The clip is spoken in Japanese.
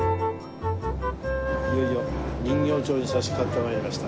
いよいよ人形町に差しかかって参りました。